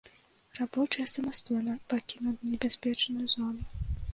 Рабочыя самастойна пакінулі небяспечную зону.